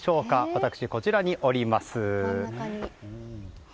私、こちらにおります。